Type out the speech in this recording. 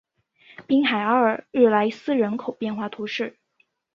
滨海阿尔日莱斯人口变化图示